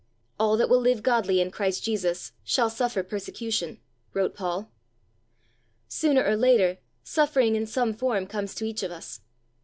"All that will live godly in Christ Jesus shall suffer persecution," wrote Paul. Sooner or later, suffering in some form comes to each of us.